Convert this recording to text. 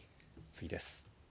次です。